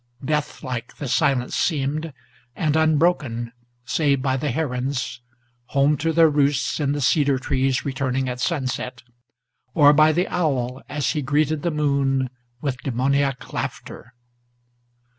Deathlike the silence seemed, and unbroken, save by the herons Home to their roosts in the cedar trees returning at sunset, Or by the owl, as he greeted the moon with demoniac laughter.